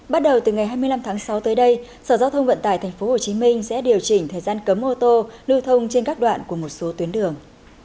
bắt đầu từ ngày hai mươi năm tháng sáu tới đây sở giao thông vận tải tp hcm sẽ điều chỉnh thời gian cấm ô tô lưu thông trên các đoạn của một số tuyến đường